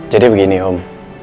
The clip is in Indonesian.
jadi begini om